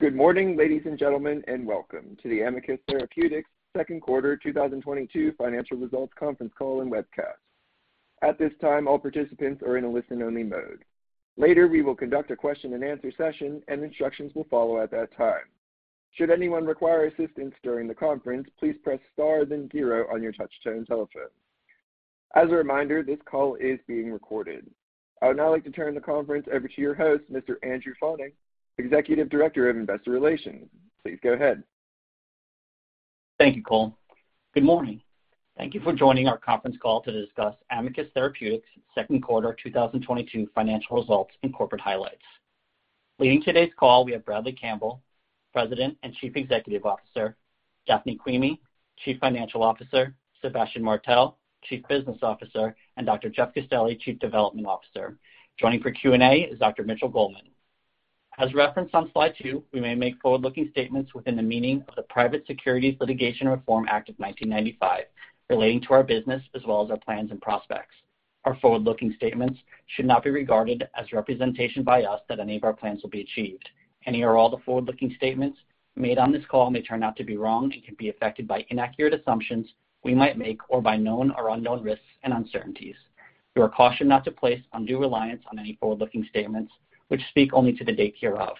Good morning, ladies and gentlemen, and welcome to the Amicus Therapeutics second quarter 2022 financial results conference call and webcast. At this time, all participants are in a listen-only mode. Later, we will conduct a question-and-answer session, and instructions will follow at that time. Should anyone require assistance during the conference, please press star then zero on your touch-tone telephone. As a reminder, this call is being recorded. I would now like to turn the conference over to your host, Mr. Andrew Faughnan, Executive Director of Investor Relations. Please go ahead. Thank you, Cole. Good morning. Thank you for joining our conference call to discuss Amicus Therapeutics' second quarter 2022 financial results and corporate highlights. Leading today's call, we have Bradley Campbell, President and Chief Executive Officer, Daphne Quimi, Chief Financial Officer, Sébastien Martel, Chief Business Officer, and Dr. Jeff Castelli, Chief Development Officer. Joining for Q&A is Dr. Mitchell Goldman. As referenced on slide two, we may make forward-looking statements within the meaning of the Private Securities Litigation Reform Act of 1995 relating to our business as well as our plans and prospects. Our forward-looking statements should not be regarded as representation by us that any of our plans will be achieved. Any or all the forward-looking statements made on this call may turn out to be wrong and can be affected by inaccurate assumptions we might make or by known or unknown risks and uncertainties. You are cautioned not to place undue reliance on any forward-looking statements which speak only to the date hereof.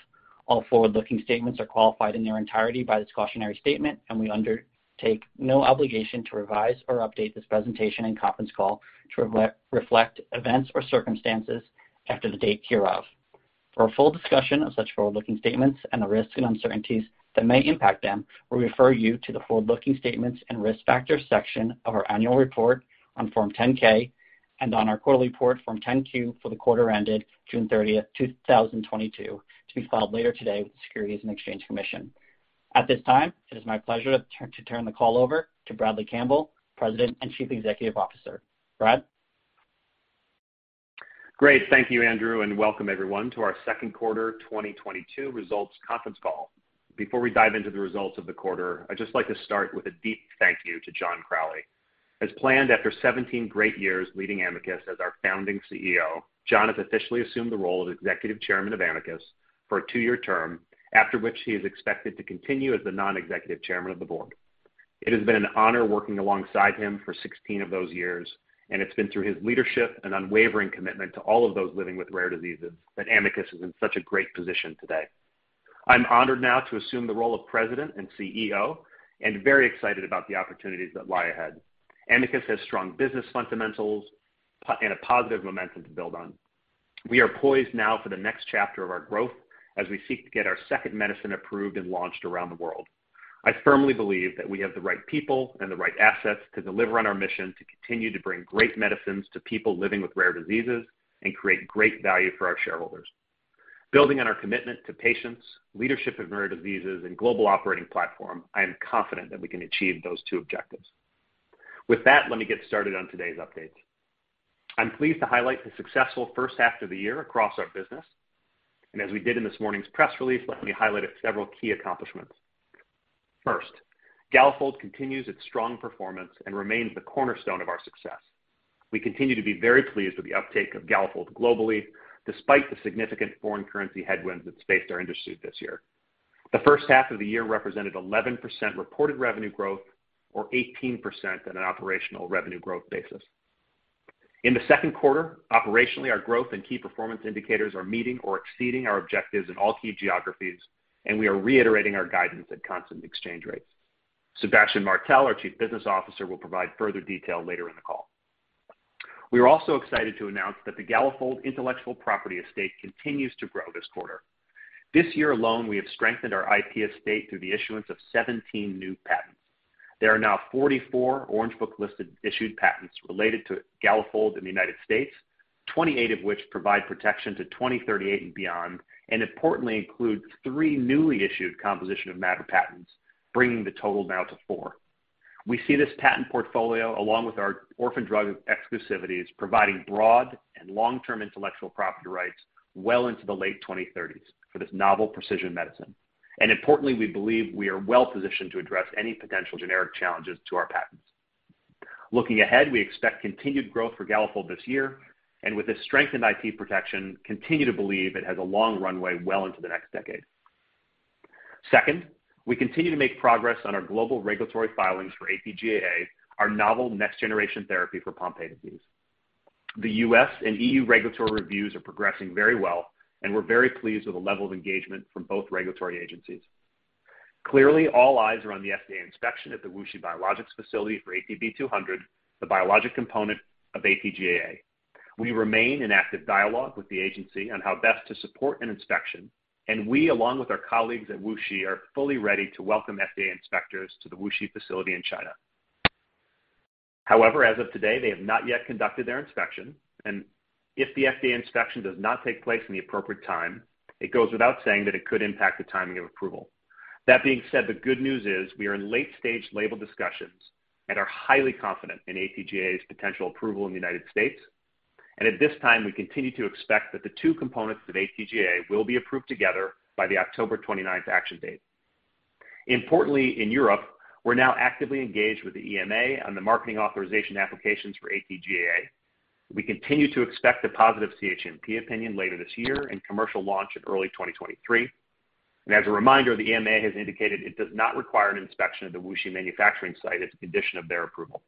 All forward-looking statements are qualified in their entirety by this cautionary statement, and we undertake no obligation to revise or update this presentation and conference call to reflect events or circumstances after the date hereof. For a full discussion of such forward-looking statements and the risks and uncertainties that may impact them, we refer you to the forward-looking statements and risk factors section of our annual report on Form 10-K and on our quarterly report Form 10-Q for the quarter ended June 30, 2022 to be filed later today with the Securities and Exchange Commission. At this time, it is my pleasure to turn the call over to Bradley Campbell, President and Chief Executive Officer. Brad? Great. Thank you, Andrew, and welcome everyone to our second quarter 2022 results conference call. Before we dive into the results of the quarter, I'd just like to start with a deep thank you to John Crowley. As planned, after 17 great years leading Amicus as our founding CEO, John has officially assumed the role of Executive Chairman of Amicus for a two-year term, after which he is expected to continue as the non-executive Chairman of the board. It has been an honor working alongside him for 16 of those years, and it's been through his leadership and unwavering commitment to all of those living with rare diseases that Amicus is in such a great position today. I'm honored now to assume the role of President and CEO and very excited about the opportunities that lie ahead. Amicus has strong business fundamentals and a positive momentum to build on. We are poised now for the next chapter of our growth as we seek to get our second medicine approved and launched around the world. I firmly believe that we have the right people and the right assets to deliver on our mission to continue to bring great medicines to people living with rare diseases and create great value for our shareholders. Building on our commitment to patients, leadership in rare diseases and global operating platform, I am confident that we can achieve those two objectives. With that, let me get started on today's updates. I'm pleased to highlight the successful first half of the year across our business. As we did in this morning's press release, let me highlight several key accomplishments. First, Galafold continues its strong performance and remains the cornerstone of our success. We continue to be very pleased with the uptake of Galafold globally, despite the significant foreign currency headwinds that's faced our industry this year. The first half of the year represented 11% reported revenue growth or 18% on an operational revenue growth basis. In the second quarter, operationally, our growth and key performance indicators are meeting or exceeding our objectives in all key geographies, and we are reiterating our guidance at constant exchange rates. Sébastien Martel, our Chief Business Officer, will provide further detail later in the call. We are also excited to announce that the Galafold intellectual property estate continues to grow this quarter. This year alone, we have strengthened our IP estate through the issuance of 17 new patents. There are now 44 Orange Book listed issued patents related to Galafold in the United States, 28 of which provide protection to 2038 and beyond, and importantly include three newly issued composition of matter patents, bringing the total now to four. We see this patent portfolio, along with our orphan drug exclusivities, providing broad and long-term intellectual property rights well into the late 2030s for this novel precision medicine. Importantly, we believe we are well-positioned to address any potential generic challenges to our patents. Looking ahead, we expect continued growth for Galafold this year and with this strengthened IP protection, continue to believe it has a long runway well into the next decade. Second, we continue to make progress on our global regulatory filings for AT-GAA, our novel next-generation therapy for Pompe disease. The U.S. and E.U. regulatory reviews are progressing very well, and we're very pleased with the level of engagement from both regulatory agencies. Clearly, all eyes are on the FDA inspection at the WuXi Biologics facility for ATB200, the biologic component of AT-GAA. We remain in active dialogue with the agency on how best to support an inspection, and we, along with our colleagues at WuXi, are fully ready to welcome FDA inspectors to the WuXi facility in China. However, as of today, they have not yet conducted their inspection. If the FDA inspection does not take place in the appropriate time, it goes without saying that it could impact the timing of approval. That being said, the good news is we are in late-stage label discussions and are highly confident in AT-GAA's potential approval in the United States. At this time, we continue to expect that the two components of AT-GAA will be approved together by the October 29th action date. Importantly, in Europe, we're now actively engaged with the EMA on the marketing authorization applications for AT-GAA. We continue to expect a positive CHMP opinion later this year and commercial launch in early 2023. As a reminder, the EMA has indicated it does not require an inspection of the WuXi manufacturing site as a condition of their approval.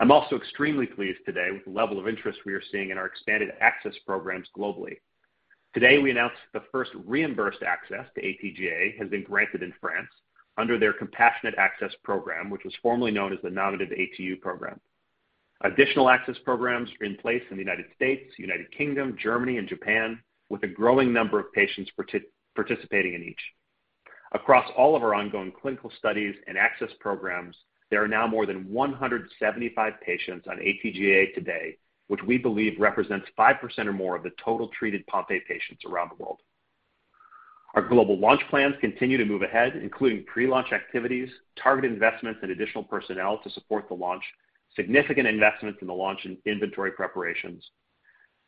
I'm also extremely pleased today with the level of interest we are seeing in our expanded access programs globally. Today, we announced the first reimbursed access to AT-GAA has been granted in France under their Compassionate Access Program, which was formerly known as the Nominated ATU program. Additional access programs are in place in the United States, United Kingdom, Germany, and Japan, with a growing number of patients participating in each. Across all of our ongoing clinical studies and access programs, there are now more than 175 patients on AT-GAA today, which we believe represents 5% or more of the total treated Pompe patients around the world. Our global launch plans continue to move ahead, including pre-launch activities, target investments and additional personnel to support the launch, significant investments in the launch and inventory preparations.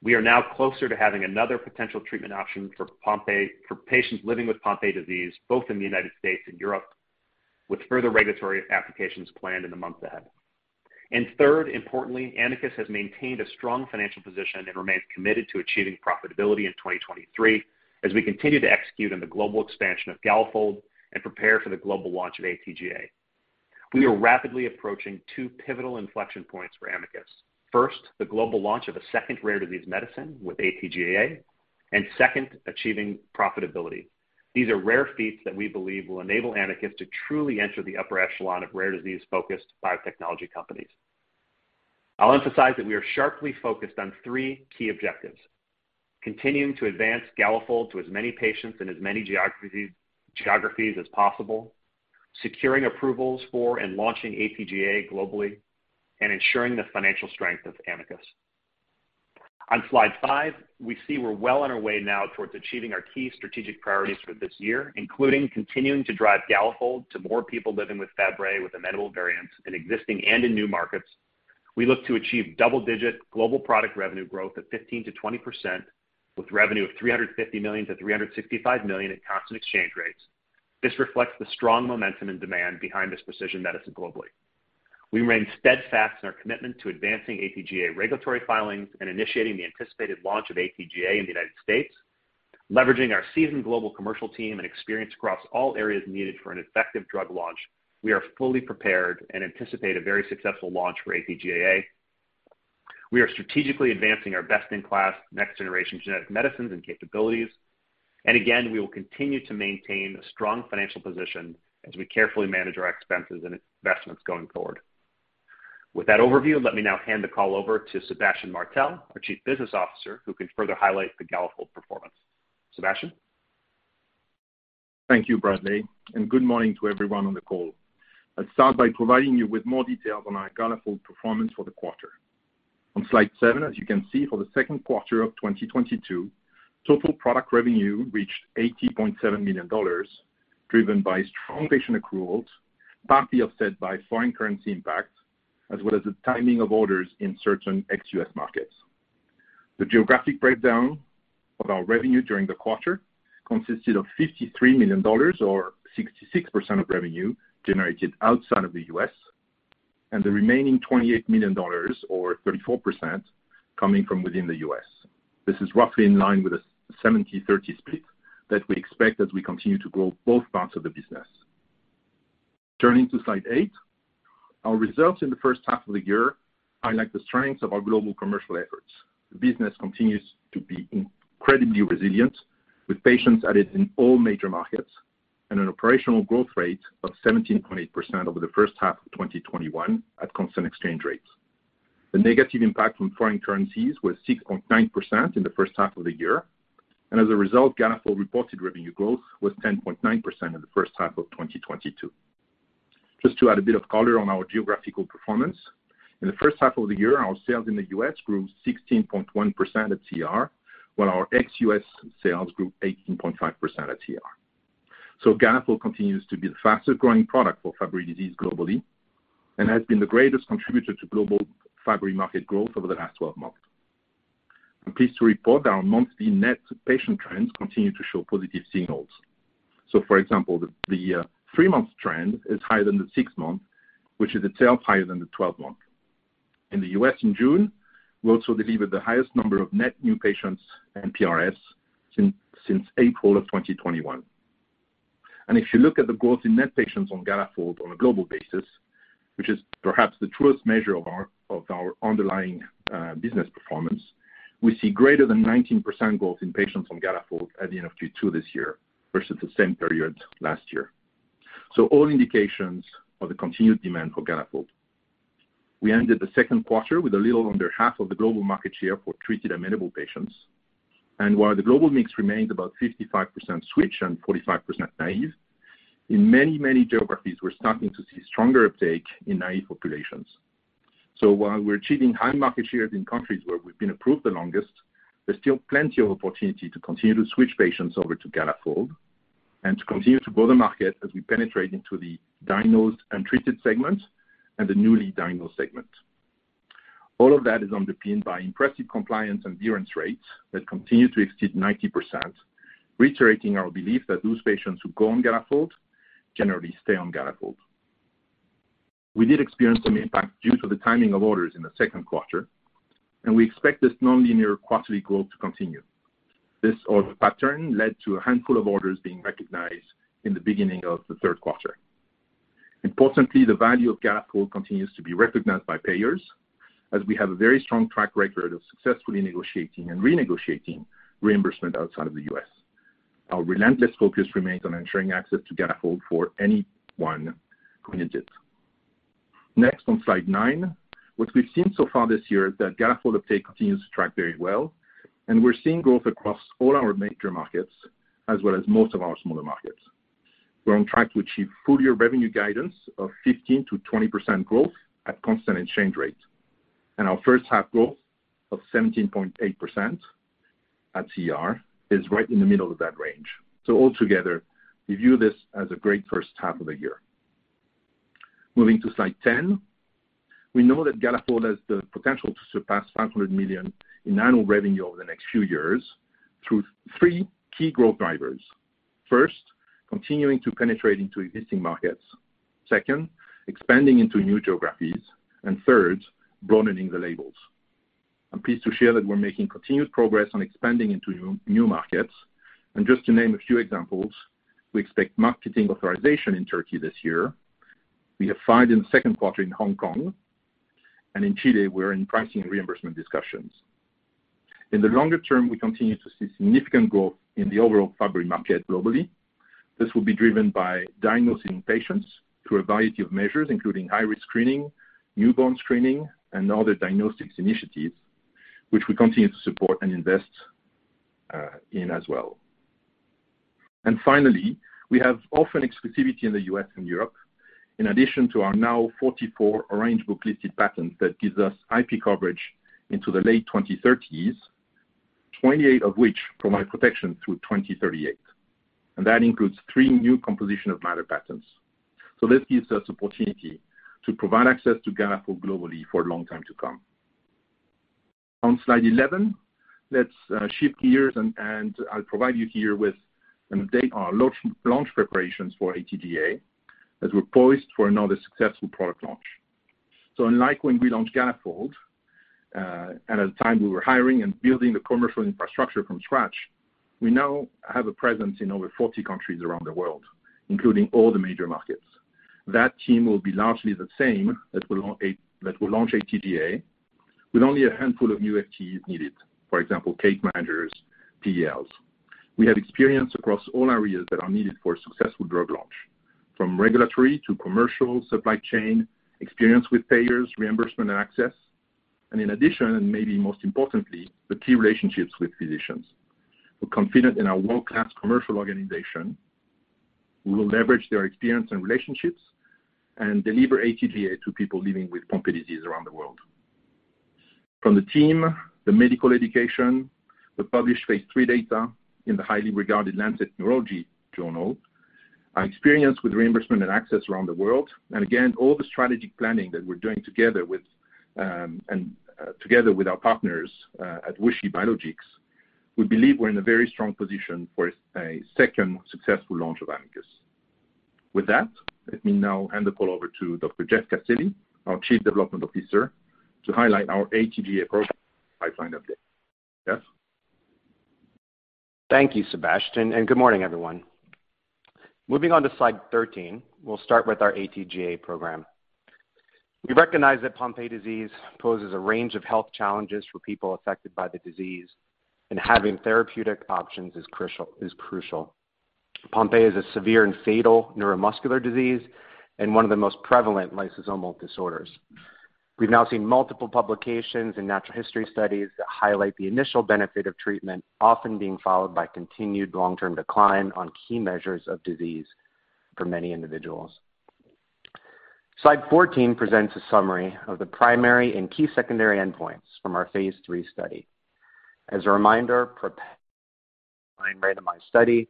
We are now closer to having another potential treatment option for Pompe, for patients living with Pompe disease, both in the United States and Europe, with further regulatory applications planned in the months ahead. Third, importantly, Amicus has maintained a strong financial position and remains committed to achieving profitability in 2023 as we continue to execute on the global expansion of Galafold and prepare for the global launch of AT-GAA. We are rapidly approaching two pivotal inflection points for Amicus. First, the global launch of a second rare disease medicine with AT-GAA, and second, achieving profitability. These are rare feats that we believe will enable Amicus to truly enter the upper echelon of rare disease-focused biotechnology companies. I'll emphasize that we are sharply focused on three key objectives, continuing to advance Galafold to as many patients in as many geographies as possible, securing approvals for and launching AT-GAA globally, and ensuring the financial strength of Amicus. On slide five, we see we're well on our way now towards achieving our key strategic priorities for this year, including continuing to drive Galafold to more people living with Fabry with amendable variants in existing and in new markets. We look to achieve double-digit global product revenue growth of 15%-20%, with revenue of $350 million-$365 million at constant exchange rates. This reflects the strong momentum and demand behind this precision medicine globally. We remain steadfast in our commitment to advancing AT-GAA regulatory filings and initiating the anticipated launch of AT-GAA in the United States. Leveraging our seasoned global commercial team and experience across all areas needed for an effective drug launch, we are fully prepared and anticipate a very successful launch for AT-GAA. We are strategically advancing our best-in-class next-generation genetic medicines and capabilities. Again, we will continue to maintain a strong financial position as we carefully manage our expenses and investments going forward. With that overview, let me now hand the call over to Sébastien Martel, our Chief Business Officer, who can further highlight the Galafold performance. Sébastien? Thank you, Bradley, and good morning to everyone on the call. I'll start by providing you with more details on our Galafold performance for the quarter. On slide seven, as you can see, for the second quarter of 2022, total product revenue reached $80.7 million, driven by strong patient accruals, partly offset by foreign currency impacts, as well as the timing of orders in certain ex-U.S. markets. The geographic breakdown of our revenue during the quarter consisted of $53 million, or 66% of revenue generated outside of the U.S., and the remaining $28 million, or 34%, coming from within the U.S. This is roughly in line with a 70/30 split that we expect as we continue to grow both parts of the business. Turning to slide eight, our results in the first half of the year highlight the strengths of our global commercial efforts. The business continues to be incredibly resilient, with patients added in all major markets and an operational growth rate of 17.8% over the first half of 2021 at constant exchange rates. The negative impact from foreign currencies was 6.9% in the first half of the year, and as a result, Galafold reported revenue growth was 10.9% in the first half of 2022. Just to add a bit of color on our geographical performance. In the first half of the year, our sales in the U.S. grew 16.1% at CER, while our ex-U.S. sales grew 18.5% at CER. Galafold continues to be the fastest-growing product for Fabry disease globally and has been the greatest contributor to global Fabry market growth over the last 12 months. I'm pleased to report our monthly net patient trends continue to show positive signals. For example, the three-month trend is higher than the six-month, which is itself higher than the 12-month. In the U.S. in June, we also delivered the highest number of net new patients and PRFs since April of 2021. If you look at the growth in net patients on Galafold on a global basis, which is perhaps the truest measure of our underlying business performance, we see greater than 19% growth in patients on Galafold at the end of Q2 this year versus the same period last year. All indications of the continued demand for Galafold. We ended the second quarter with a little under half of the global market share for treated amenable patients. While the global mix remains about 55% switch and 45% naive, in many, many geographies, we're starting to see stronger uptake in naive populations. While we're achieving high market shares in countries where we've been approved the longest, there's still plenty of opportunity to continue to switch patients over to Galafold and to continue to grow the market as we penetrate into the diagnosed and treated segment and the newly diagnosed segment. All of that is underpinned by impressive compliance and adherence rates that continue to exceed 90%, reiterating our belief that those patients who go on Galafold generally stay on Galafold. We did experience some impact due to the timing of orders in the second quarter, and we expect this nonlinear quarterly growth to continue. This order pattern led to a handful of orders being recognized in the beginning of the third quarter. Importantly, the value of Galafold continues to be recognized by payers as we have a very strong track record of successfully negotiating and renegotiating reimbursement outside of the U.S. Our relentless focus remains on ensuring access to Galafold for anyone who needs it. Next, on slide nine. What we've seen so far this year is that Galafold uptake continues to track very well, and we're seeing growth across all our major markets as well as most of our smaller markets. We're on track to achieve full year revenue guidance of 15%-20% growth at constant exchange rates, and our first half growth of 17.8% at CER is right in the middle of that range. Altogether, we view this as a great first half of the year. Moving to slide 10. We know that Galafold has the potential to surpass $500 million in annual revenue over the next few years through three key growth drivers. First, continuing to penetrate into existing markets. Second, expanding into new geographies. Third, broadening the labels. I'm pleased to share that we're making continued progress on expanding into new markets. Just to name a few examples, we expect marketing authorization in Turkey this year. We have filed in the second quarter in Hong Kong, and in Chile, we're in pricing and reimbursement discussions. In the longer term, we continue to see significant growth in the overall Fabry market globally. This will be driven by diagnosing patients through a variety of measures, including high-risk screening, newborn screening, and other diagnostics initiatives which we continue to support and invest in as well. Finally, we have orphan exclusivity in the U.S. and Europe in addition to our now 44 Orange Book-listed patents that gives us IP coverage into the late 2030s, 28 of which provide protection through 2038, and that includes three new composition of matter patents. This gives us opportunity to provide access to Galafold globally for a long time to come. On slide 11, let's shift gears and I'll provide you here with an update on our launch preparations for AT-GAA, as we're poised for another successful product launch. Unlike when we launched Galafold, and at the time we were hiring and building the commercial infrastructure from scratch, we now have a presence in over 40 countries around the world, including all the major markets. That team will be largely the same that will launch AT-GAA with only a handful of new FTEs needed. For example, key account managers, MSLs. We have experience across all areas that are needed for a successful drug launch, from regulatory to commercial, supply chain, experience with payers, reimbursement and access, in addition, maybe most importantly, the key relationships with physicians. We're confident in our world-class commercial organization. We will leverage their experience and relationships and deliver AT-GAA to people living with Pompe disease around the world. From the team, the medical education, the published phase III data in the highly regarded The Lancet Neurology journal, our experience with reimbursement and access around the world, and again, all the strategic planning that we're doing together with our partners at WuXi Biologics, we believe we're in a very strong position for a second successful launch of AT-GAA. With that, let me now hand the call over to Dr. Jeff Castelli, our Chief Development Officer, to highlight our AT-GAA program pipeline update. Jeff? Thank you, Sébastien, and good morning, everyone. Moving on to slide 13, we'll start with our AT-GAA program. We recognize that Pompe disease poses a range of health challenges for people affected by the disease, and having therapeutic options is crucial. Pompe is a severe and fatal neuromuscular disease and one of the most prevalent lysosomal disorders. We've now seen multiple publications and natural history studies that highlight the initial benefit of treatment often being followed by continued long-term decline on key measures of disease for many individuals. Slide 14 presents a summary of the primary and key secondary endpoints from our phase III study. As a reminder, PROPEL is a randomized study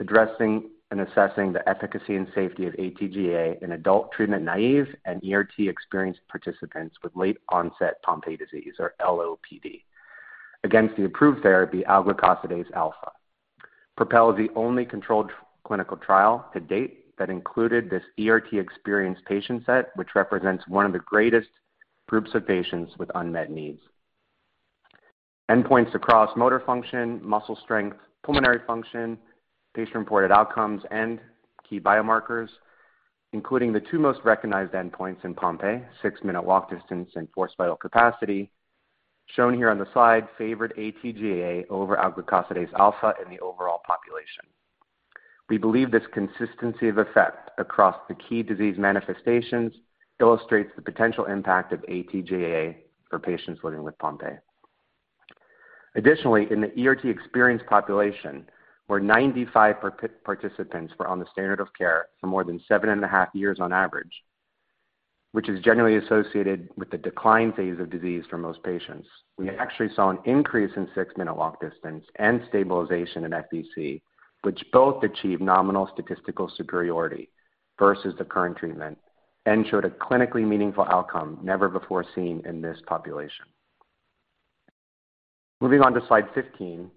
addressing and assessing the efficacy and safety of AT-GAA in adult treatment naive and ERT-experienced participants with late onset Pompe disease, or LOPD, against the approved therapy, alglucosidase alfa. PROPEL is the only controlled clinical trial to date that included this ERT-experienced patient set which represents one of the greatest groups of patients with unmet needs. Endpoints across motor function, muscle strength, pulmonary function, patient-reported outcomes, and key biomarkers, including the two most recognized endpoints in Pompe, six-minute walk distance and forced vital capacity, shown here on the slide, favored AT-GAA over alglucosidase alfa in the overall population. We believe this consistency of effect across the key disease manifestations illustrates the potential impact of AT-GAA for patients living with Pompe. Additionally, in the ERT-experienced population, where 95 participants were on the standard of care for more than 7.5 years on average, which is generally associated with the decline phase of disease for most patients, we actually saw an increase in six-minute walk distance and stabilization in FVC, which both achieve nominal statistical superiority versus the current treatment and showed a clinically meaningful outcome never before seen in this population. Moving on to slide 15,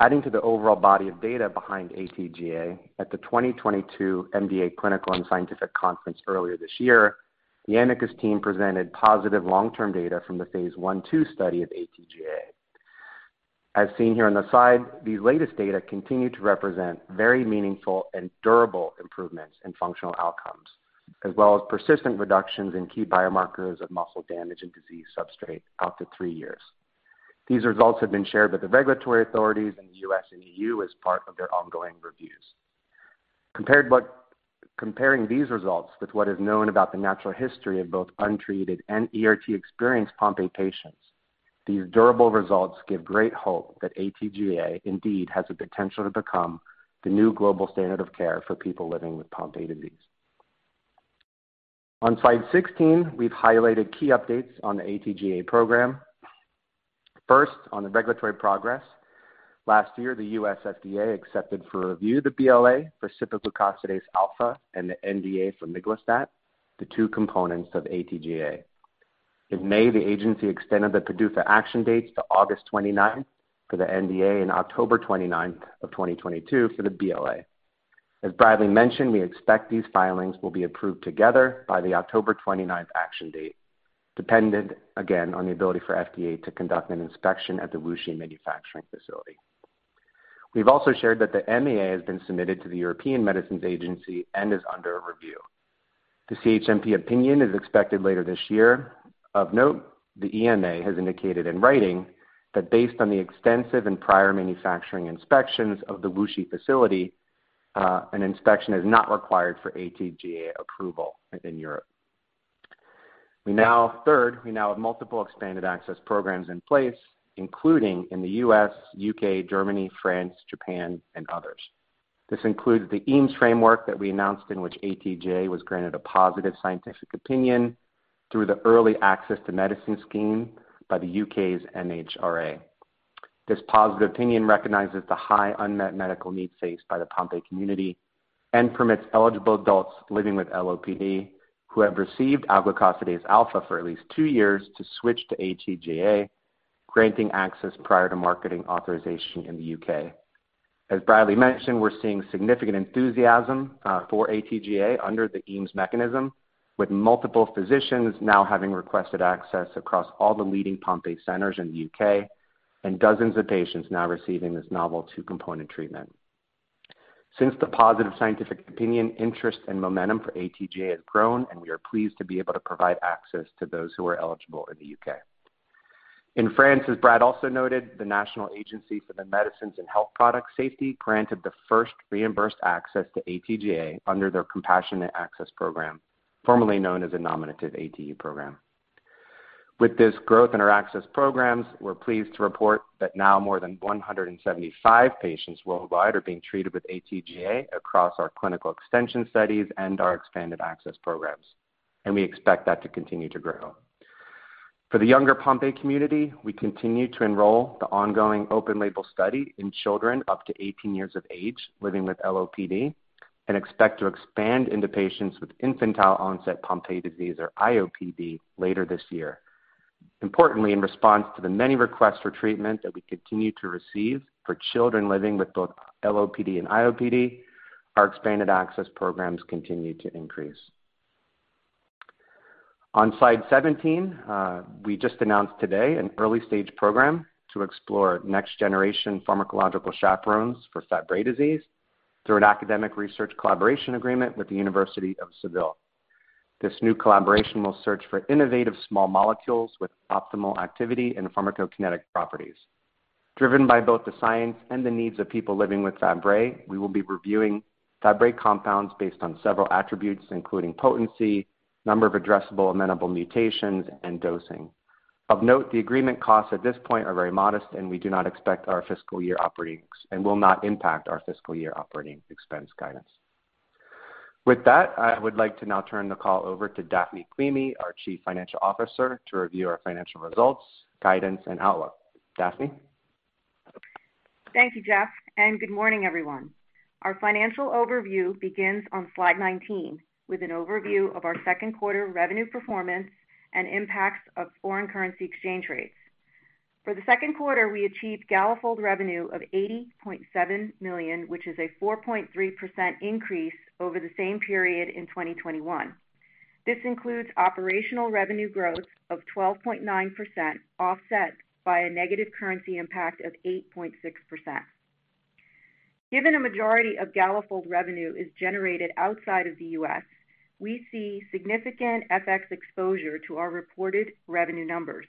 adding to the overall body of data behind AT-GAA, at the 2022 MDA Clinical & Scientific Conference earlier this year, the Amicus team presented positive long-term data from the phase I/II study of AT-GAA. As seen here on the slide, these latest data continue to represent very meaningful and durable improvements in functional outcomes, as well as persistent reductions in key biomarkers of muscle damage and disease substrate out to three years. These results have been shared with the regulatory authorities in the U.S. and E.U. as part of their ongoing reviews. Comparing these results with what is known about the natural history of both untreated and ERT-experienced Pompe patients, these durable results give great hope that AT-GAA indeed has the potential to become the new global standard of care for people living with Pompe disease. On slide 16, we've highlighted key updates on the AT-GAA program. First, on the regulatory progress. Last year, the U.S. FDA accepted for review the BLA for cipaglucosidase alfa and the NDA for miglustat, the two components of AT-GAA. In May, the agency extended the PDUFA action dates to August 29th for the NDA and October 29th, 2022 for the BLA. As Bradley mentioned, we expect these filings will be approved together by the October 29th action date, dependent again on the ability for FDA to conduct an inspection at the WuXi manufacturing facility. We've also shared that the MAA has been submitted to the European Medicines Agency and is under review. The CHMP opinion is expected later this year. Of note, the EMA has indicated in writing that based on the extensive and prior manufacturing inspections of the WuXi facility, an inspection is not required for AT-GAA approval within Europe. We now have multiple expanded access programs in place, including in the U.S., U.K., Germany, France, Japan, and others. This includes the EAMS framework that we announced in which AT-GAA was granted a positive scientific opinion through the Early Access to Medicine scheme by the U.K.'s MHRA. This positive opinion recognizes the high unmet medical needs faced by the Pompe community and permits eligible adults living with LOPD who have received alglucosidase alfa for at least two years to switch to AT-GAA, granting access prior to marketing authorization in the U.K. As Bradley mentioned, we're seeing significant enthusiasm for AT-GAA under the EAMS mechanism, with multiple physicians now having requested access across all the leading Pompe centers in the U.K. and dozens of patients now receiving this novel two-component treatment. Since the positive scientific opinion, interest, and momentum for AT-GAA has grown, and we are pleased to be able to provide access to those who are eligible in the U.K. In France, as Brad also noted, the French National Agency for the Safety of Medicines and Health Products granted the first reimbursed access to AT-GAA under their Compassionate Access Program, formerly known as the Nominated ATU program. With this growth in our access programs, we're pleased to report that now more than 175 patients worldwide are being treated with AT-GAA across our clinical extension studies and our expanded access programs, and we expect that to continue to grow. For the younger Pompe community, we continue to enroll the ongoing open label study in children up to 18 years of age living with LOPD and expect to expand into patients with infantile-onset Pompe disease, or IOPD, later this year. Importantly, in response to the many requests for treatment that we continue to receive for children living with both LOPD and IOPD, our expanded access programs continue to increase. On slide 17, we just announced today an early-stage program to explore next-generation pharmacological chaperones for Fabry disease through an academic research collaboration agreement with the University of Seville. This new collaboration will search for innovative small molecules with optimal activity and pharmacokinetic properties. Driven by both the science and the needs of people living with Fabry, we will be reviewing Fabry compounds based on several attributes, including potency, number of addressable amenable mutations, and dosing. Of note, the agreement costs at this point are very modest, and we do not expect our fiscal year operating and will not impact our fiscal year operating expense guidance. With that, I would like to now turn the call over to Daphne Quimi, our Chief Financial Officer, to review our financial results, guidance, and outlook. Daphne? Thank you, Jeff, and good morning, everyone. Our financial overview begins on slide 19 with an overview of our second quarter revenue performance and impacts of foreign currency exchange rates. For the second quarter, we achieved Galafold revenue of $80.7 million, which is a 4.3% increase over the same period in 2021. This includes operational revenue growth of 12.9%, offset by a negative currency impact of 8.6%. Given a majority of Galafold revenue is generated outside of the U.S., we see significant FX exposure to our reported revenue numbers.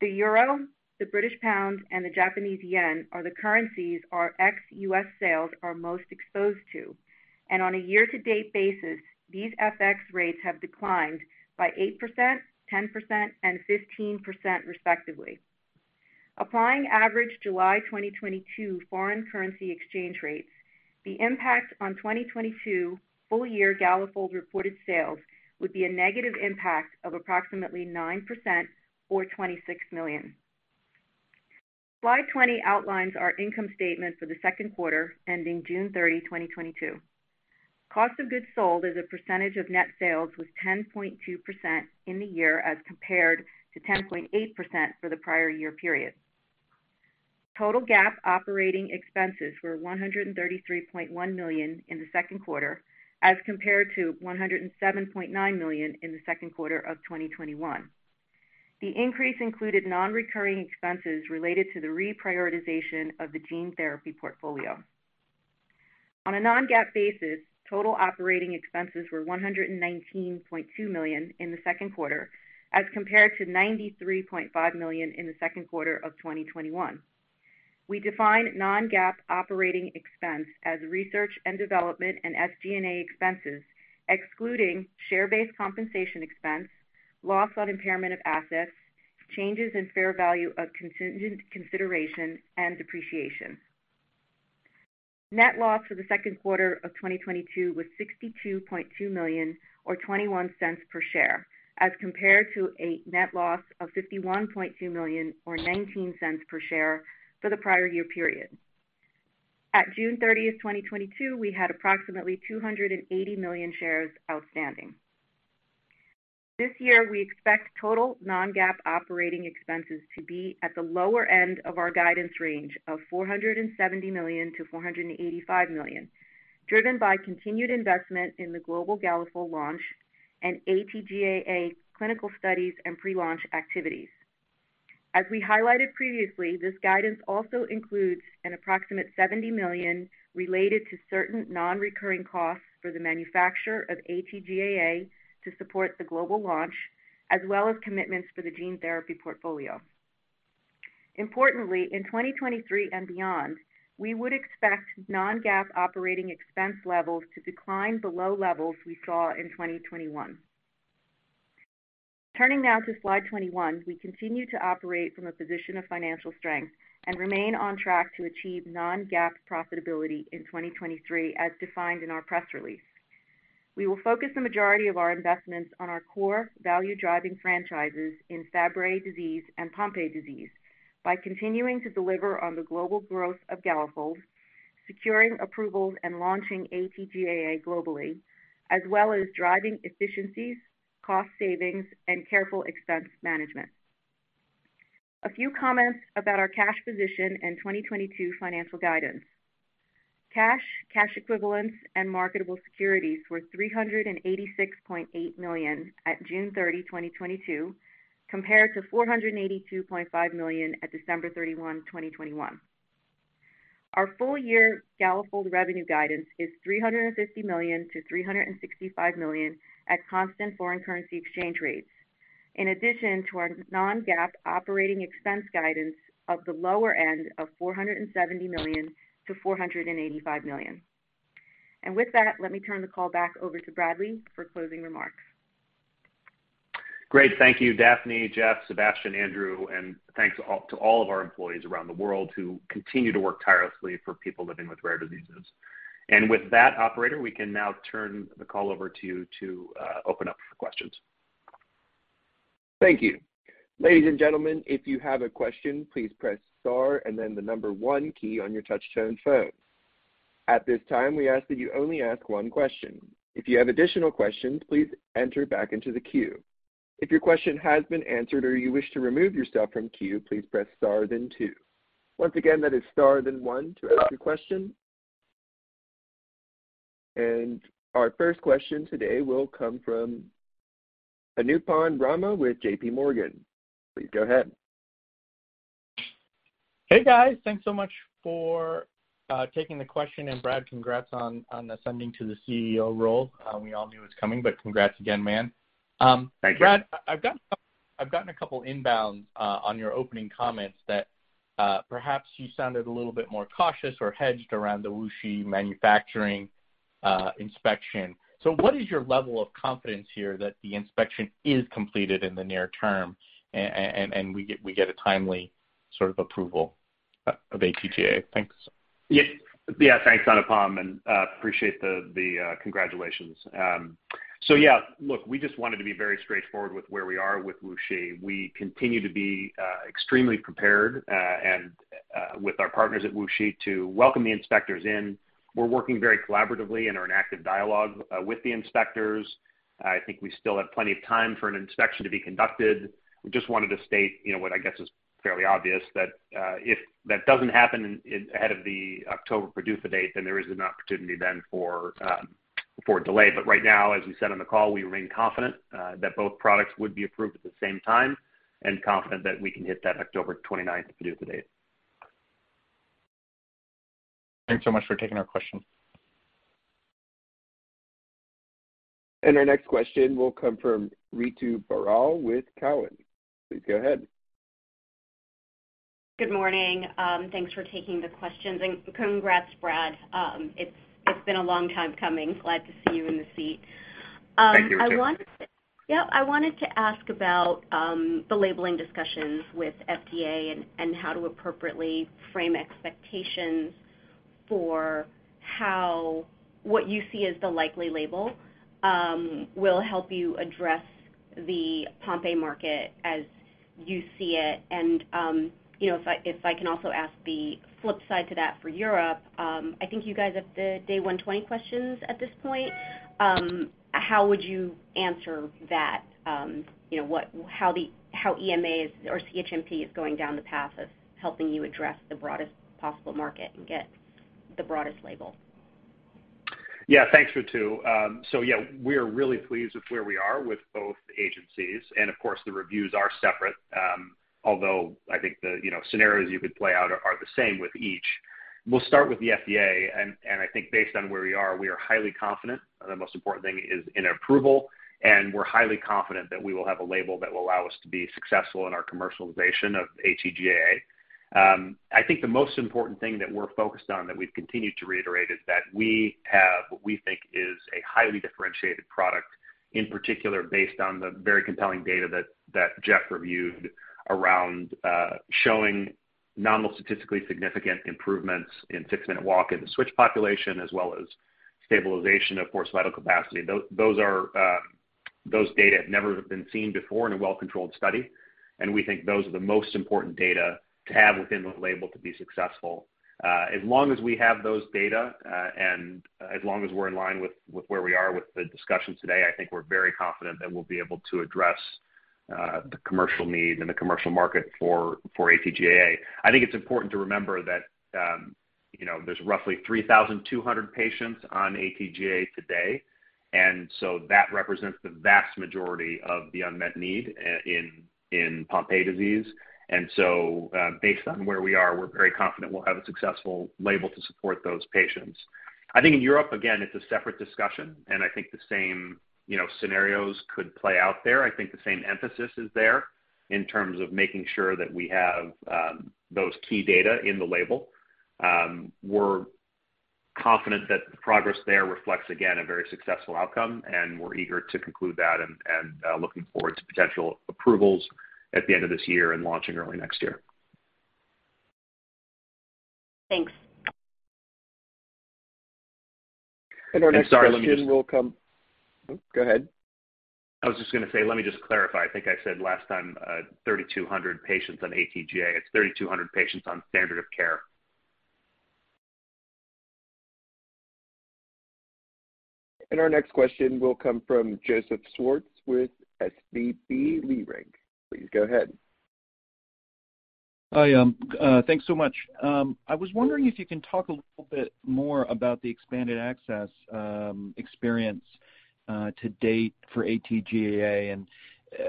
The euro, the British pound, and the Japanese yen are the currencies our ex-U.S. sales are most exposed to. On a year-to-date basis, these FX rates have declined by 8%, 10%, and 15% respectively. Applying average July 2022 foreign currency exchange rates, the impact on 2022 full-year Galafold reported sales would be a negative impact of approximately 9% or $26 million. Slide 20 outlines our income statement for the second quarter ending June 30, 2022. Cost of goods sold as a percentage of net sales was 10.2% in the year as compared to 10.8% for the prior year period. Total GAAP operating expenses were $133.1 million in the second quarter, as compared to $107.9 million in the second quarter of 2021. The increase included non-recurring expenses related to the reprioritization of the gene therapy portfolio. On a non-GAAP basis, total operating expenses were $119.2 million in the second quarter as compared to $93.5 million in the second quarter of 2021. We define non-GAAP operating expense as research and development and SG&A expenses, excluding share-based compensation expense, loss on impairment of assets, changes in fair value of contingent consideration and depreciation. Net loss for the second quarter of 2022 was $62.2 million or $0.21 per share, as compared to a net loss of $51.2 million or $0.19 per share for the prior year period. At June thirtieth, 2022, we had approximately 280 million shares outstanding. This year, we expect total non-GAAP operating expenses to be at the lower end of our guidance range of $470 million-$485 million, driven by continued investment in the global Galafold launch and AT-GAA clinical studies and pre-launch activities. As we highlighted previously, this guidance also includes an approximate $70 million related to certain non-recurring costs for the manufacture of AT-GAA to support the global launch, as well as commitments for the gene therapy portfolio. Importantly, in 2023 and beyond, we would expect non-GAAP operating expense levels to decline below levels we saw in 2021. Turning now to slide 21. We continue to operate from a position of financial strength and remain on track to achieve non-GAAP profitability in 2023, as defined in our press release. We will focus the majority of our investments on our core value-driving franchises in Fabry disease and Pompe disease by continuing to deliver on the global growth of Galafold, securing approvals and launching AT-GAA globally, as well as driving efficiencies, cost savings and careful expense management. A few comments about our cash position and 2022 financial guidance. Cash, cash equivalents and marketable securities were $386.8 million at June 30, 2022, compared to $482.5 million at December 31, 2021. Our full year Galafold revenue guidance is $350 million-$365 million at constant foreign currency exchange rates. In addition to our non-GAAP operating expense guidance of the lower end of $470 million-$485 million. With that, let me turn the call back over to Bradley for closing remarks. Great. Thank you, Daphne, Jeff, Sébastien, Andrew, and thanks to all of our employees around the world who continue to work tirelessly for people living with rare diseases. With that, operator, we can now turn the call over to you to open up for questions. Thank you. Ladies and gentlemen, if you have a question, please press star and then the number one key on your touch-tone phone. At this time, we ask that you only ask one question. If you have additional questions, please enter back into the queue. If your question has been answered or you wish to remove yourself from queue, please press star then two. Once again, that is star then one to ask a question. Our first question today will come from Anupam Rama with JPMorgan. Please go ahead. Hey, guys. Thanks so much for taking the question. Brad, congrats on ascending to the CEO role. We all knew it's coming, but congrats again, man. Thank you. Brad, I've gotten a couple inbounds on your opening comments that perhaps you sounded a little bit more cautious or hedged around the WuXi manufacturing inspection. What is your level of confidence here that the inspection is completed in the near term and we get a timely sort of approval of AT-GAA? Thanks. Yeah, thanks, Anupam, and appreciate the congratulations. Yeah, look, we just wanted to be very straightforward with where we are with WuXi. We continue to be extremely prepared and with our partners at WuXi to welcome the inspectors in. We're working very collaboratively and are in active dialogue with the inspectors. I think we still have plenty of time for an inspection to be conducted. We just wanted to state, you know, what I guess is fairly obvious that if that doesn't happen ahead of the October PDUFA date, then there is an opportunity then for a delay. Right now, as we said on the call, we remain confident that both products would be approved at the same time and confident that we can hit that October 29th PDUFA date. Thanks so much for taking our question. Our next question will come from Ritu Baral with Cowen. Please go ahead. Good morning. Thanks for taking the questions and congrats, Brad. It's been a long time coming. Glad to see you in the seat. Thank you, Ritu. I wanted to ask about the labeling discussions with FDA and how to appropriately frame expectations. How what you see as the likely label will help you address the Pompe market as you see it. You know, if I can also ask the flip side to that for Europe, I think you guys have the day one 20 questions at this point. How would you answer that? You know, how EMA or CHMP is going down the path of helping you address the broadest possible market and get the broadest label. Yeah. Thanks, Ritu. Yeah, we are really pleased with where we are with both agencies, and of course, the reviews are separate, although I think the, you know, scenarios you could play out are the same with each. We'll start with the FDA, and I think based on where we are, we are highly confident, and the most important thing is an approval, and we're highly confident that we will have a label that will allow us to be successful in our commercialization of AT-GAA. I think the most important thing that we're focused on that we've continued to reiterate is that we have what we think is a highly differentiated product, in particular, based on the very compelling data that Jeff reviewed around showing nominal statistically significant improvements in six-minute walk in the switch population, as well as stabilization, of course, vital capacity. Those data have never been seen before in a well-controlled study, and we think those are the most important data to have within the label to be successful. As long as we have those data, and as long as we're in line with where we are with the discussion today, I think we're very confident that we'll be able to address the commercial need and the commercial market for AT-GAA. I think it's important to remember that, you know, there's roughly 3,200 patients on AT-GAA today. That represents the vast majority of the unmet need in Pompe disease. Based on where we are, we're very confident we'll have a successful label to support those patients. I think in Europe, again, it's a separate discussion, and I think the same, you know, scenarios could play out there. I think the same emphasis is there in terms of making sure that we have those key data in the label. We're confident that the progress there reflects, again, a very successful outcome, and we're eager to conclude that and looking forward to potential approvals at the end of this year and launching early next year. Thanks. Sorry, let me just. Our next question will come. Oh, go ahead. I was just gonna say, let me just clarify. I think I said last time, 3,200 patients on AT-GAA. It's 3,200 patients on standard of care. Our next question will come from Joseph Schwartz with SVB Leerink. Please go ahead. Hi, thanks so much. I was wondering if you can talk a little bit more about the expanded access experience to date for AT-GAA.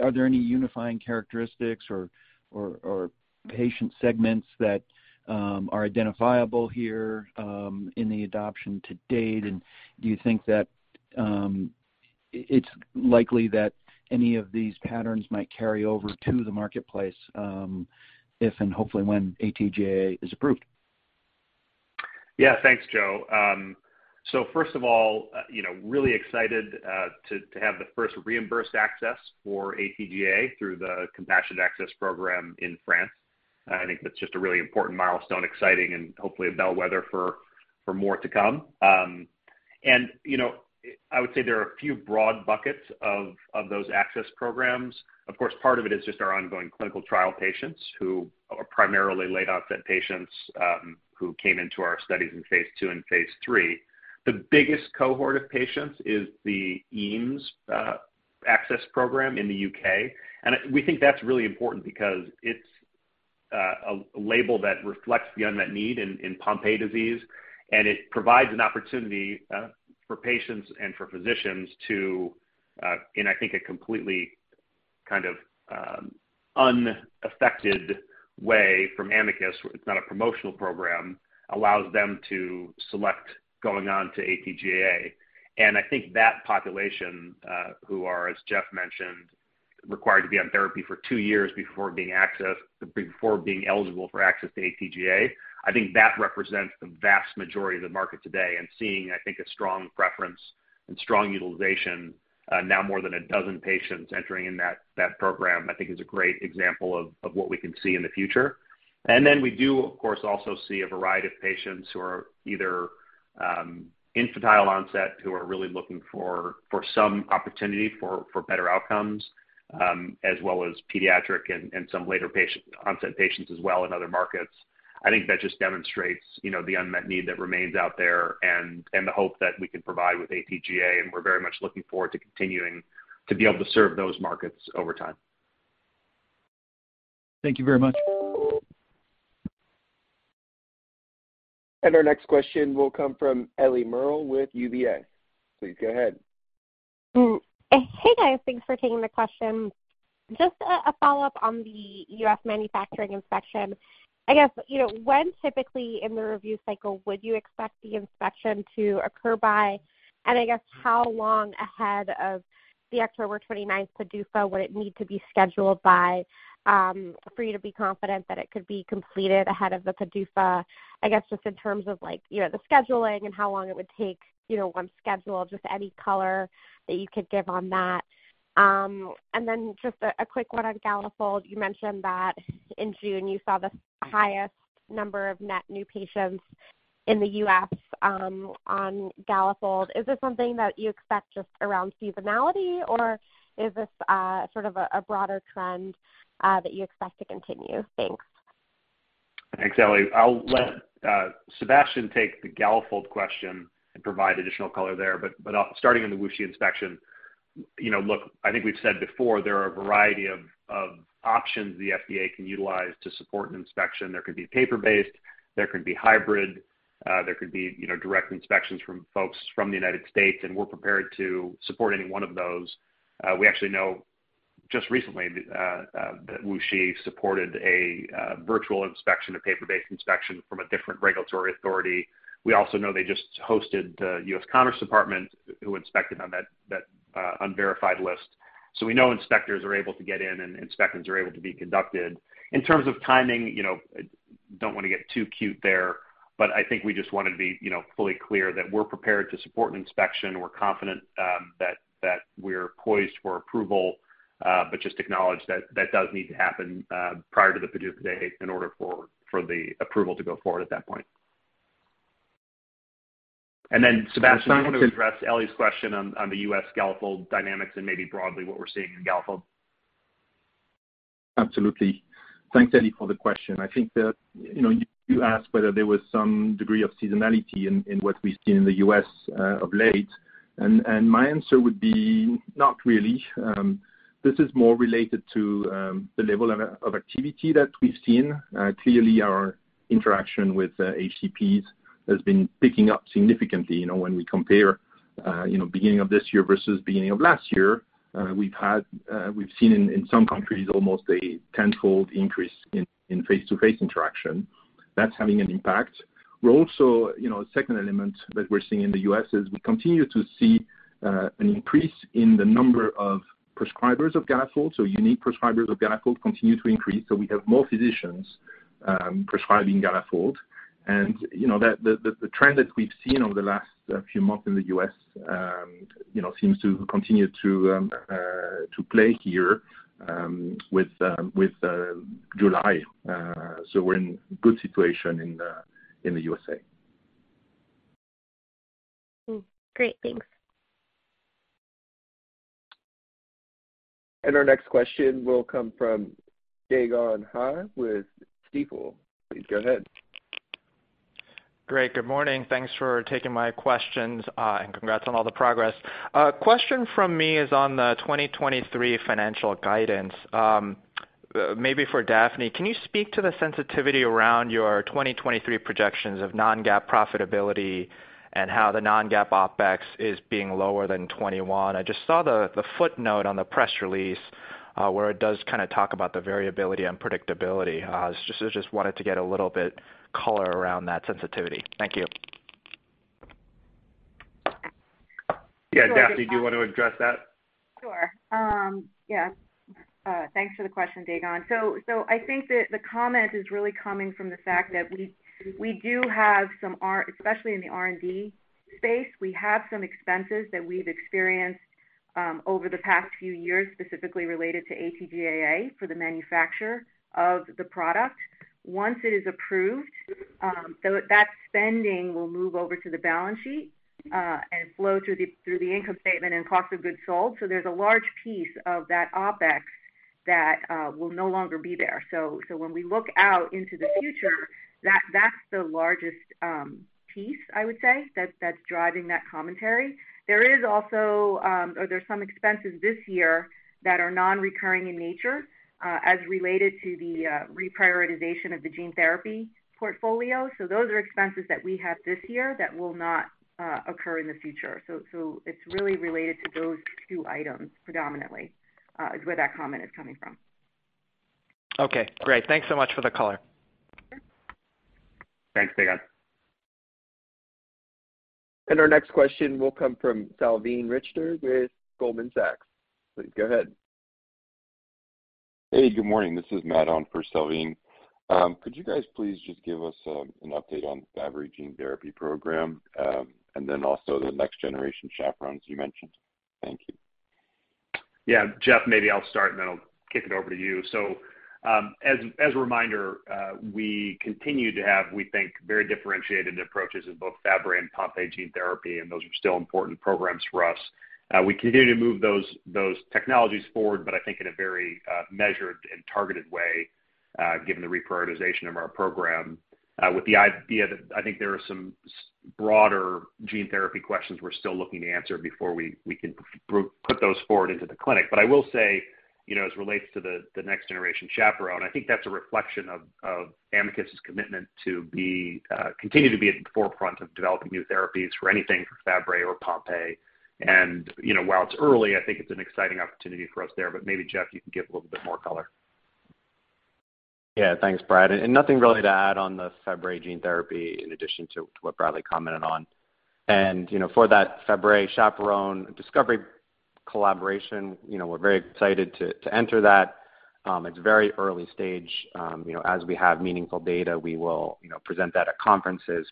Are there any unifying characteristics or patient segments that are identifiable here in the adoption to date? Do you think that it's likely that any of these patterns might carry over to the marketplace if and hopefully when AT-GAA is approved? Yeah. Thanks, Joe. First of all, you know, really excited to have the first reimbursed access for AT-GAA through the Compassionate Access Program in France. I think that's just a really important milestone, exciting and hopefully a bellwether for more to come. You know, I would say there are a few broad buckets of those access programs. Of course, part of it is just our ongoing clinical trial patients who are primarily late-onset patients, who came into our studies in phase II and phase III. The biggest cohort of patients is the EAMS access program in the U.K. We think that's really important because it's a label that reflects the unmet need in Pompe disease, and it provides an opportunity for patients and for physicians to, I think a completely kind of unaffected way from Amicus. It's not a promotional program, allows them to select going on to AT-GAA. I think that population who are, as Jeff mentioned, required to be on therapy for two years before being eligible for access to AT-GAA. I think that represents the vast majority of the market today and seeing I think a strong preference and strong utilization now more than a dozen patients entering in that program. I think is a great example of what we can see in the future. We do, of course, also see a variety of patients who are either infantile onset, who are really looking for some opportunity for better outcomes, as well as pediatric and some later-onset patients as well in other markets. I think that just demonstrates, you know, the unmet need that remains out there and the hope that we can provide with AT-GAA, and we're very much looking forward to continuing to be able to serve those markets over time. Thank you very much. Our next question will come from Ellie Merle with UBS. Please go ahead. Hey, guys. Thanks for taking the question. Just a follow-up on the U.S. manufacturing inspection. I guess, you know, when typically in the review cycle would you expect the inspection to occur by? And I guess how long ahead of the October 29th PDUFA would it need to be scheduled by, for you to be confident that it could be completed ahead of the PDUFA? I guess just in terms of, like, you know, the scheduling and how long it would take, you know, once scheduled, just any color that you could give on that. And then just a quick one on Galafold. You mentioned that in June you saw the highest number of net new patients in the U.S., on Galafold. Is this something that you expect just around seasonality, or is this sort of a broader trend that you expect to continue? Thanks. Thanks, Ellie. I'll let Sébastien take the Galafold question and provide additional color there. Starting on the WuXi inspection, I think we've said before there are a variety of options the FDA can utilize to support an inspection. There could be paper-based, there could be hybrid, there could be direct inspections from folks from the United States, and we're prepared to support any one of those. We actually know just recently that WuXi supported a virtual inspection, a paper-based inspection from a different regulatory authority. We also know they just hosted the U.S. Department of Commerce who inspected on that unverified list. We know inspectors are able to get in and inspections are able to be conducted. In terms of timing, you know, don't wanna get too cute there, but I think we just wanna be, you know, fully clear that we're prepared to support an inspection. We're confident that we're poised for approval, but just acknowledge that that does need to happen prior to the PDUFA date in order for the approval to go forward at that point. Then Sébastien, do you wanna address Ellie's question on the U.S. Galafold dynamics and maybe broadly what we're seeing in Galafold? Absolutely. Thanks, Ellie, for the question. I think that, you know, you asked whether there was some degree of seasonality in what we've seen in the U.S. of late. My answer would be not really. This is more related to the level of activity that we've seen. Clearly our interaction with HCPs has been picking up significantly. You know, when we compare beginning of this year versus beginning of last year, we've seen in some countries almost a tenfold increase in face-to-face interaction. That's having an impact. We're also, you know, a second element that we're seeing in the U.S. is we continue to see an increase in the number of prescribers of Galafold. Unique prescribers of Galafold continue to increase, so we have more physicians prescribing Galafold. The trend that we've seen over the last few months in the U.S., you know, seems to continue to play here with July. We're in good situation in the U.S. Great. Thanks. Our next question will come from Dae Gon Ha with Stifel. Please go ahead. Great. Good morning. Thanks for taking my questions, and congrats on all the progress. Question from me is on the 2023 financial guidance. Maybe for Daphne. Can you speak to the sensitivity around your 2023 projections of non-GAAP profitability and how the non-GAAP OpEx is being lower than 2021? I just saw the footnote on the press release, where it does kind of talk about the variability and predictability. So just wanted to get a little bit color around that sensitivity. Thank you. Yeah. Daphne, do you want to address that? Sure. Thanks for the question, Dae Gon Ha. I think that the comment is really coming from the fact that we have some expenses that we've experienced over the past few years, specifically related to AT-GAA for the manufacture of the product. Once it is approved, that spending will move over to the balance sheet and flow through the income statement and cost of goods sold. There's a large piece of that OpEx that will no longer be there. When we look out into the future, that's the largest piece, I would say, that's driving that commentary. There are also some expenses this year that are non-recurring in nature, as related to the reprioritization of the gene therapy portfolio. Those are expenses that we have this year that will not occur in the future. It's really related to those two items predominantly is where that comment is coming from. Okay, great. Thanks so much for the color. Sure. Thanks, Dae Gon. Our next question will come from Salveen Richter with Goldman Sachs. Please go ahead. Hey, good morning. This is Matt on for Salveen. Could you guys please just give us an update on the Fabry gene therapy program, and then also the next-generation chaperones you mentioned? Thank you. Yeah. Jeff, maybe I'll start, and then I'll kick it over to you. As a reminder, we continue to have, we think, very differentiated approaches in both Fabry and Pompe gene therapy, and those are still important programs for us. We continue to move those technologies forward, but I think in a very measured and targeted way, given the reprioritization of our program, with the idea that I think there are some broader gene therapy questions we're still looking to answer before we can put those forward into the clinic. I will say, you know, as it relates to the next-generation chaperone, I think that's a reflection of Amicus' commitment to continue to be at the forefront of developing new therapies for anything for Fabry or Pompe. You know, while it's early, I think it's an exciting opportunity for us there. Maybe, Jeff, you can give a little bit more color. Yeah. Thanks, Brad. Nothing really to add on the Fabry gene therapy in addition to what Bradley commented on. You know, for that Fabry chaperone discovery collaboration, you know, we're very excited to enter that. It's very early stage. You know, as we have meaningful data, we will, you know, present that at conferences.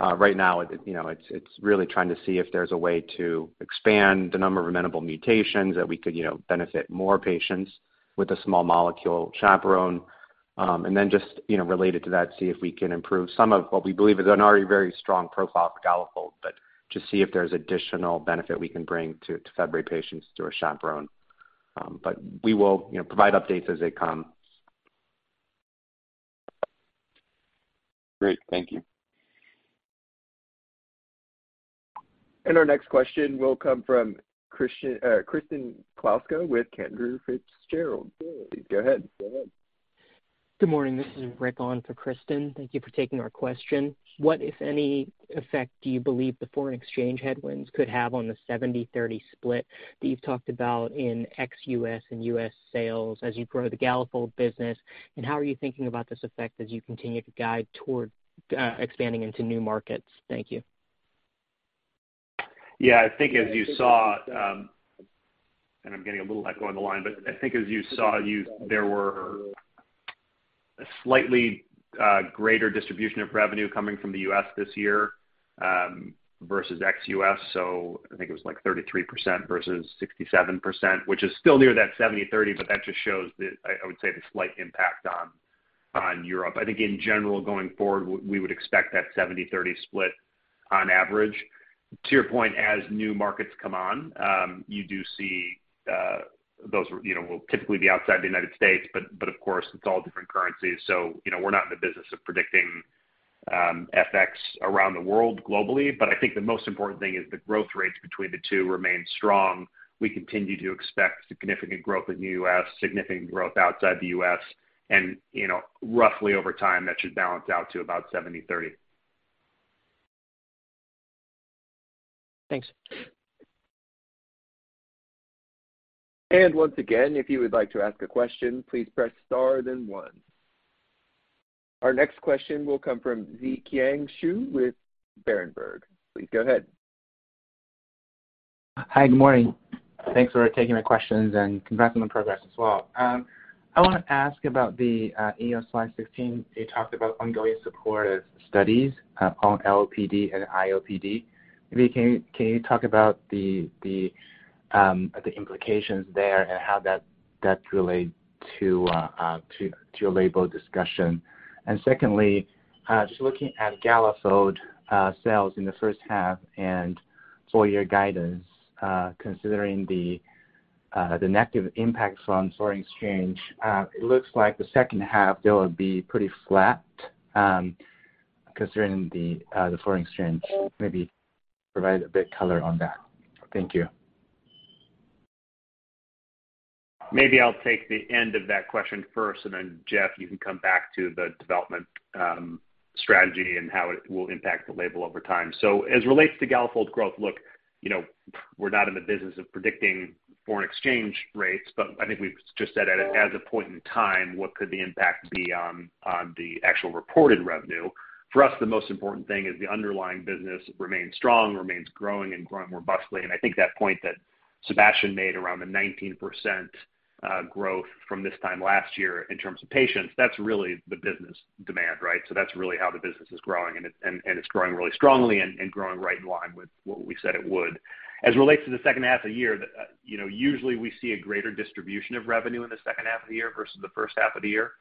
Right now it, you know, it's really trying to see if there's a way to expand the number of amenable mutations that we could, you know, benefit more patients with a small molecule chaperone. Then just, you know, related to that, see if we can improve some of what we believe is an already very strong profile for Galafold, but to see if there's additional benefit we can bring to Fabry patients through a chaperone. We will, you know, provide updates as they come. Great. Thank you. Our next question will come from Kristen Kluska with Cantor Fitzgerald. Please go ahead. Good morning. This is Rick on for Kristen. Thank you for taking our question. What, if any, effect do you believe the foreign exchange headwinds could have on the 70/30 split that you've talked about in ex-U.S. and U.S. sales as you grow the Galafold business? How are you thinking about this effect as you continue to guide toward expanding into new markets? Thank you. Yeah, I think as you saw, and I'm getting a little echo on the line, but I think as you saw, there was a slightly greater distribution of revenue coming from the U.S. this year versus ex-U.S. I think it was like 33% versus 67%, which is still near that 70/30, but that just shows the I would say, the slight impact on Europe. I think in general, going forward, we would expect that 70/30 split on average. To your point, as new markets come on, you do see, you know, those will typically be outside the United States, but of course it's all different currencies. You know, we're not in the business of predicting, FX around the world globally, but I think the most important thing is the growth rates between the two remain strong. We continue to expect significant growth in the U.S., significant growth outside the U.S., and, you know, roughly over time, that should balance out to about 70/30. Thanks. Once again, if you would like to ask a question, please press star then one. Our next question will come from Zhiqiang Shu with Berenberg. Please go ahead. Hi, good morning. Thanks for taking my questions, and congrats on the progress as well. I wanna ask about the EO slide 16. You talked about ongoing support of studies on LOPD and IOPD. Maybe you can talk about the implications there and how that relates to your label discussion? Secondly, just looking at Galafold sales in the first half and full year guidance, considering the negative impacts on foreign exchange, it looks like the second half, they will be pretty flat, considering the foreign exchange. Maybe provide a bit color on that. Thank you. Maybe I'll take the end of that question first, and then Jeff, you can come back to the development, strategy and how it will impact the label over time. As it relates to Galafold growth, look, you know, we're not in the business of predicting foreign exchange rates, but I think we've just said at, as a point in time, what could the impact be on the actual reported revenue. For us, the most important thing is the underlying business remains strong, remains growing and growing robustly. I think that point that Sébastien made around the 19% growth from this time last year in terms of patients, that's really the business demand, right? That's really how the business is growing and it's growing really strongly and growing right in line with what we said it would. As it relates to the second half of the year, you know, usually we see a greater distribution of revenue in the second half of the year versus the first half of the year.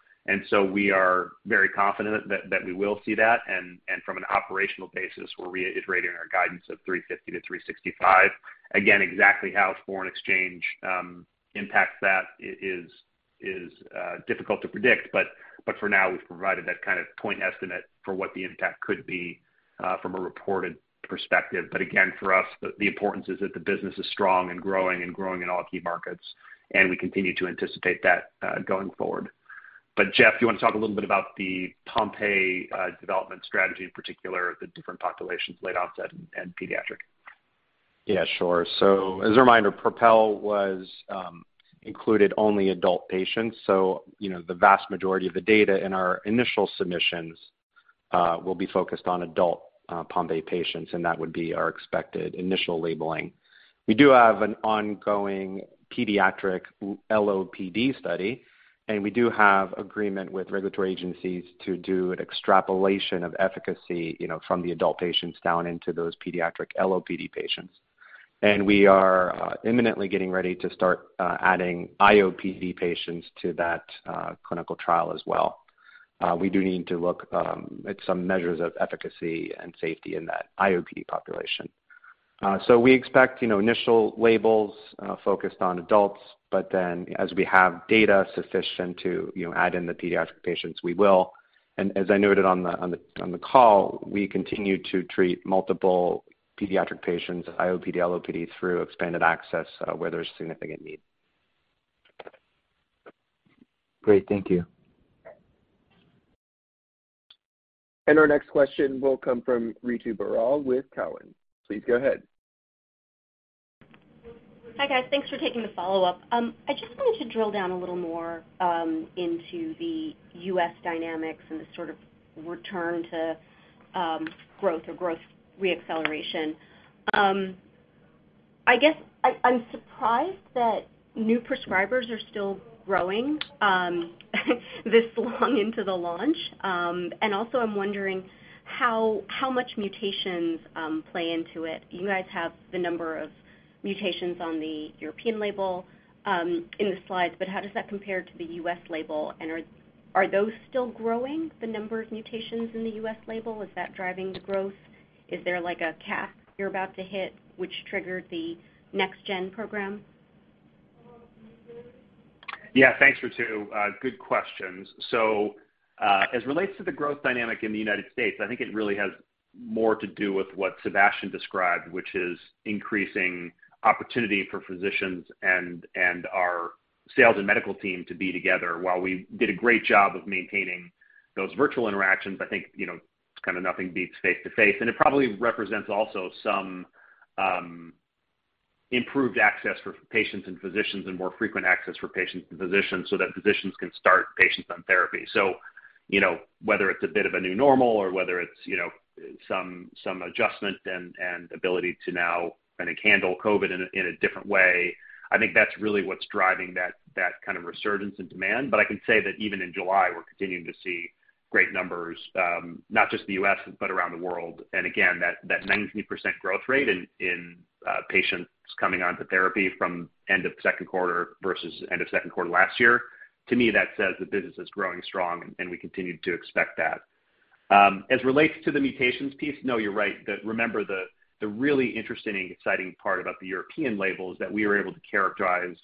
We are very confident that we will see that. From an operational basis, we're reiterating our guidance of $350-$365. Again, exactly how foreign exchange impacts that is difficult to predict, but for now, we've provided that kind of point estimate for what the impact could be from a reported perspective. Again, for us, the importance is that the business is strong and growing and growing in all key markets, and we continue to anticipate that going forward. Jeff, do you wanna talk a little bit about the Pompe development strategy, in particular, the different populations late-onset and pediatric? Yeah, sure. As a reminder, PROPEL was included only adult patients. You know, the vast majority of the data in our initial submissions will be focused on adult Pompe patients, and that would be our expected initial labeling. We do have an ongoing pediatric LOPD study, and we do have agreement with regulatory agencies to do an extrapolation of efficacy, you know, from the adult patients down into those pediatric LOPD patients. We are imminently getting ready to start adding IOPD patients to that clinical trial as well. We do need to look at some measures of efficacy and safety in that IOPD population. We expect, you know, initial labels focused on adults, but then as we have data sufficient to, you know, add in the pediatric patients, we will. As I noted on the call, we continue to treat multiple pediatric patients, IOPD, LOPD, through expanded access, where there's significant need. Great. Thank you. Our next question will come from Ritu Baral with Cowen. Please go ahead. Hi, guys. Thanks for taking the follow-up. I just wanted to drill down a little more into the U.S. dynamics and the sort of return to growth or growth re-acceleration. I guess I'm surprised that new prescribers are still growing this long into the launch. Also I'm wondering how much mutations play into it. You guys have the number of mutations on the European label in the slides, but how does that compare to the U.S. label and are those still growing, the number of mutations in the U.S. label? Is that driving the growth? Is there like a cap you're about to hit, which triggered the next gen program? Yeah, thanks, Ritu. Good questions. As it relates to the growth dynamic in the United States, I think it really has more to do with what Sébastien described, which is increasing opportunity for physicians and our sales and medical team to be together. While we did a great job of maintaining those virtual interactions, I think, you know, kind of nothing beats face-to-face. It probably represents also some improved access for patients and physicians and more frequent access for patients and physicians so that physicians can start patients on therapy. You know, whether it's a bit of a new normal or whether it's, you know, some adjustment and ability to now kind of handle COVID in a different way, I think that's really what's driving that kind of resurgence in demand. I can say that even in July, we're continuing to see great numbers, not just in the U.S., but around the world. Again, that 19% growth rate in patients coming onto therapy from end of second quarter versus end of second quarter last year, to me, that says the business is growing strong, and we continue to expect that. As it relates to the mutations piece, no, you're right. Remember the really interesting and exciting part about the European label is that we were able to characterize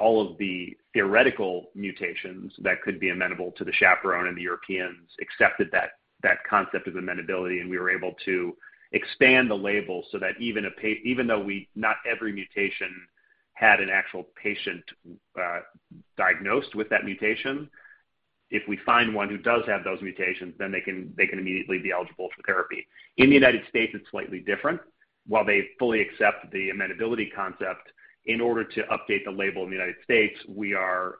all of the theoretical mutations that could be amenable to the chaperone, and the Europeans accepted that concept of amenability, and we were able to expand the label so that even though not every mutation had an actual patient diagnosed with that mutation, if we find one who does have those mutations, then they can immediately be eligible for therapy. In the United States, it's slightly different. While they fully accept the amenability concept, in order to update the label in the United States, we are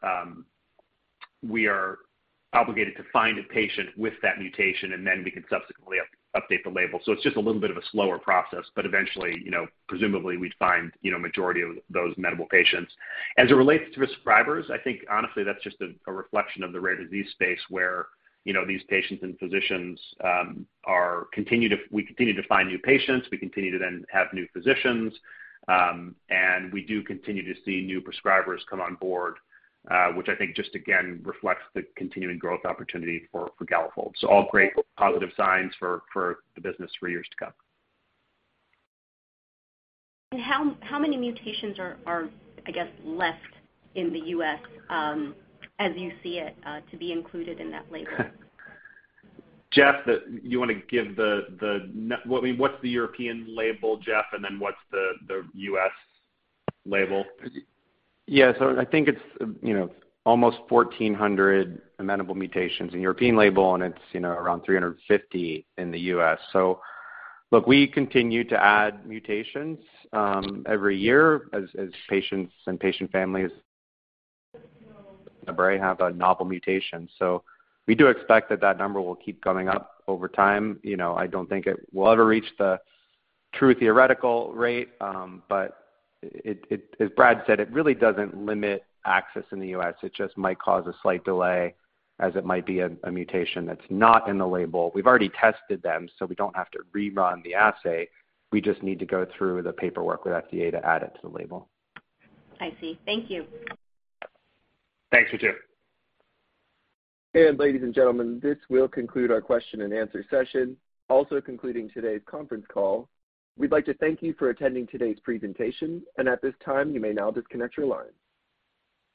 obligated to find a patient with that mutation, and then we can subsequently update the label. It's just a little bit of a slower process. Eventually, you know, presumably we'd find, you know, majority of those amenable patients. As it relates to prescribers, I think honestly, that's just a reflection of the rare disease space where, you know, these patients and physicians. We continue to find new patients. We continue to then have new physicians. And we do continue to see new prescribers come on board, which I think just again reflects the continuing growth opportunity for Galafold. All great positive signs for the business for years to come. How many mutations are left in the U.S., as you see it, to be included in that label? Well, I mean, what's the European label, Jeff, and then what's the U.S. label? Yeah. I think it's, you know, almost 1400 amenable mutations in the European label, and it's, you know, around 350 in the U.S. Look, we continue to add mutations every year as patients and patient families Have a novel mutation. We do expect that number will keep going up over time. You know, I don't think it will ever reach the true theoretical rate. As Brad said, it really doesn't limit access in the U.S. It just might cause a slight delay as it might be a mutation that's not in the label. We've already tested them, so we don't have to rerun the assay. We just need to go through the paperwork with FDA to add it to the label. I see. Thank you. Thanks, Ritu. Ladies and gentlemen, this will conclude our question-and-answer session, also concluding today's conference call. We'd like to thank you for attending today's presentation, and at this time, you may now disconnect your lines.